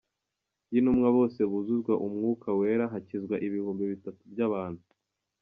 y'intumwa bose buzuzwa Umwuka Wera hakizwa ibihumbi bitatu by'abantu.